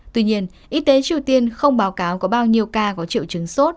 tuy nhiên y tế triều tiên không báo cáo có bao nhiêu ca có triệu chứng sốt